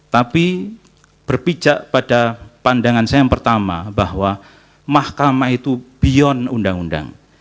tapi berpijak pada pandangan saya yang pertama bahwa mahkamah itu beyond undang undang